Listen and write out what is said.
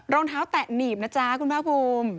รองเท้าแตะหนีบนะจ๊ะคุณภาคภูมิ